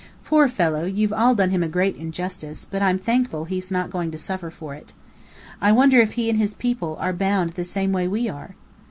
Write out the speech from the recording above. "Poor fellow, you've all done him a great injustice, but I'm thankful he's not going to suffer for it. I wonder if he and his people are bound the same way we are?"